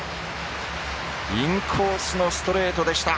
インコースのストレートでした。